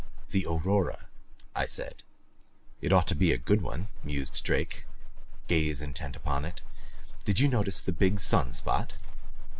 "The aurora," I said. "It ought to be a good one," mused Drake, gaze intent upon it. "Did you notice the big sun spot?"